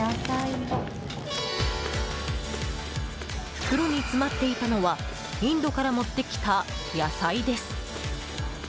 袋に詰まっていたのはインドから持ってきた野菜です。